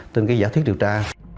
trên cái giả thuyết điều tra